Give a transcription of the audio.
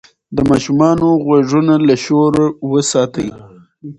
د ماشوم غوږونه له شور وساتئ.